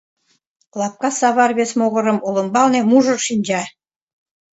Лапка савар вес могырым олымбалне мужыр шинча.